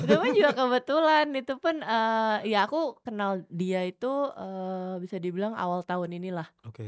itu juga kebetulan itu pun ya aku kenal dia itu bisa dibilang awal tahun inilah